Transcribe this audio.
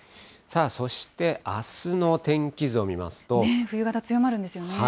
さあそして、あすの天気図を見ま冬型強まるんですよね。